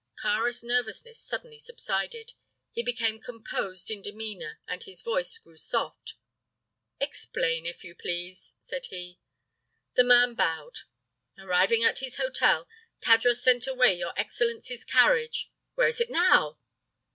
Kāra's nervousness suddenly subsided. He became composed in demeanor and his voice grew soft. "Explain, if you please," said he. The man bowed. "Arriving at the hotel, Tadros sent away your excellency's carriage " "Where is it now?"